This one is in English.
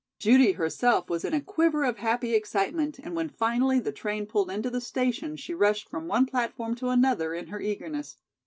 Judy herself was in a quiver of happy excitement and when finally the train pulled into the station, she rushed from one platform to another in her eagerness.